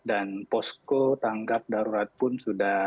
dan posko tanggap darurat pun sudah